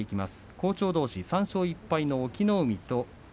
好調どうし３勝１敗の隠岐の海。